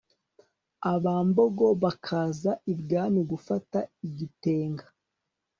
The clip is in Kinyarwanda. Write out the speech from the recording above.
abambogo bakaza ibwami gufata igitenga